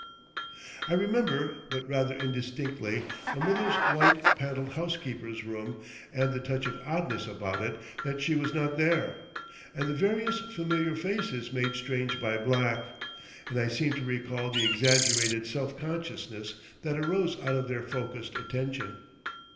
I remember, but rather indistinctly, my mother's white paneled housekeeper's room and the touch of oddness about it that she was not there, and the various familiar faces made strange by black, and I seem to recall the exaggerated self consciousness that arose out of their focussed attention.